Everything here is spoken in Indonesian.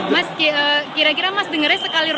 mas kira kira mas dengerin sekali roll